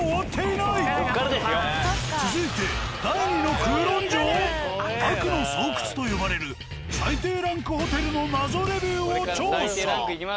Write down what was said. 続いて第二の九龍城！？悪の巣窟と呼ばれる最低ランクホテルの謎レビューを調査。